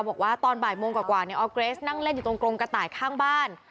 บอกว่าตอนบ่ายโมงกว่าในออร์เกรสนั่งเล่นอยู่ตรงกรงกระต่ายข้างบ้าน